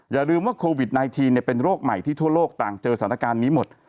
อย่าลืมว่าโควิด๑๙เป็นโรคใหม่ที่ทั่วโลกต่างเจอสถานการณ์นี้หมด